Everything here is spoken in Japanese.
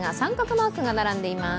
マークが並んでいます。